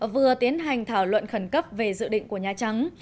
vừa tiến hành thảo luận khẩn cấp về dự định của nhà trắng